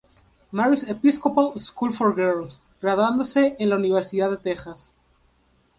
Mary's Episcopal School for Girls, graduándose en la Universidad de Texas.